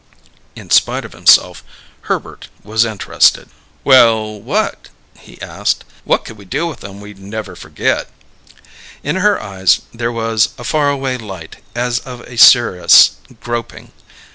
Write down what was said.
In spite of himself, Herbert was interested. "Well, what?" he asked. "What could we do with 'em we'd never forget?" In her eyes there was a far away light as of a seeress groping.